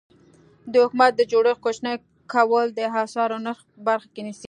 د حکومت د جوړښت کوچني کول د اسعارو نرخ بر کې نیسي.